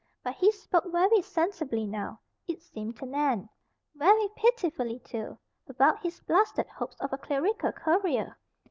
But he spoke very sensibly now, it seemed to Nan; very pitifully, too, about his blasted hopes of a clerical career.